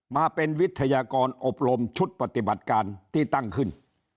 มาเป็นวิทยากรอบรมชุดปฏิบัติการที่ตั้งขึ้น